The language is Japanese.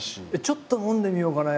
ちょっと飲んでみようかな？